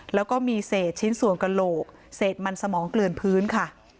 แล้วก็มีเศษชิ้นส่วนกระโหลกเศษมันสมองเกลือนพื้นค่ะ